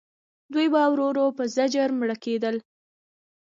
دوی به ورو ورو په زجر مړه کېدل.